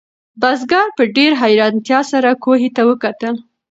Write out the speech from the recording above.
بزګر په ډېرې حیرانتیا سره کوهي ته وکتل.